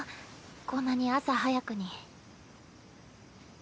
こんなに朝早くに。